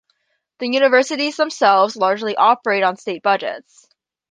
The universities themselves largely operate on state budgets.